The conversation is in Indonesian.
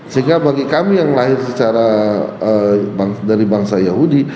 sehingga bagi kami yang lahir secara dari bangsa yahudi